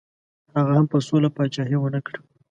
هغه هم په سوله پاچهي ونه کړه.